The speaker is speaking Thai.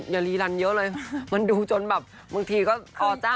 อย่ารีรันเยอะเลยมันดูจนแบบบางทีก็พอจ้า